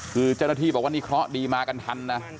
คือเจ้าหน้าที่บอกว่านี่เคราะห์ดีมากันทันนะ